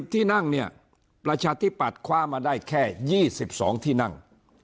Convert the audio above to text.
ที่นั่งเนี่ยประชาธิปัตย์คว้ามาได้แค่๒๒ที่นั่ง